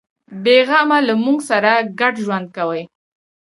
بیغمه له موږ سره ګډ ژوند کوي.